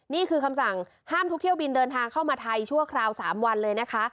นี่คือคำสั่งห้ามทุกเที่ยวบินเดินทางเข้ามาไทยชั่วคราว๓วันเลยนะคะ